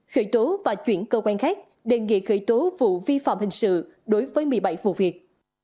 khởi tố và chuyển cơ quan khác đề nghị khởi tố vụ vi phạm hình sự đối với một mươi bảy vụ việc